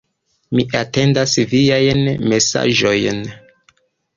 Mi atendas viajn mesaĝojn.